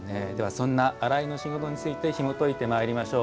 そんな「洗いの仕事」についてひもといてまいりましょう。